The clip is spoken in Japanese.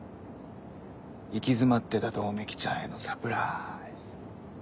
行き詰まってた百目鬼ちゃんへのサプライズ。